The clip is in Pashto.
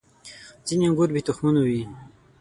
• ځینې انګور بې تخمونو وي.